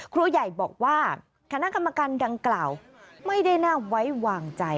ครูใหญ่บอกว่าคณะกรรมการดังกล่าวไม่ได้น่าไว้วางใจ